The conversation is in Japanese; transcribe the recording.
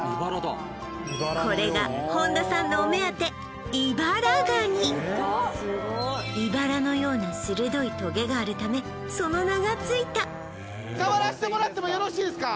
これが本田さんのお目当てイバラのような鋭い棘があるためその名がついたよろしいですか？